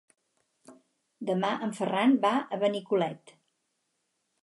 Demà en Ferran va a Benicolet.